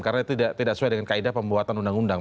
karena itu tidak sesuai dengan kaedah pembuatan undang undang